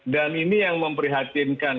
dan ini yang memprihatinkan